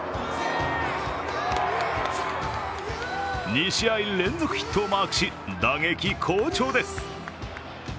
２試合連続ヒットをマークし打撃好調です。